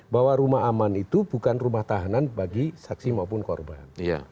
bahwa rumah aman itu bukan rumah tahanan bagi saksi maupun korban